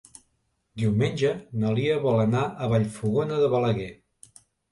Diumenge na Lia vol anar a Vallfogona de Balaguer.